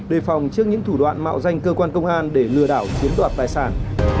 đề phòng trước những thủ đoạn mạo danh cơ quan công an để lừa đảo chiếm đoạt tài sản